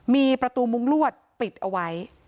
มีประตูมุ้งลวดปิดเอาไว้